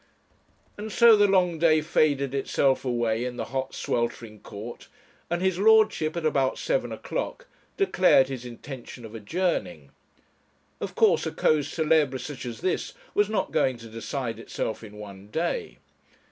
And so the long day faded itself away in the hot sweltering court, and his lordship, at about seven o'clock, declared his intention of adjourning. Of course a cause célèbre such as this was not going to decide itself in one day.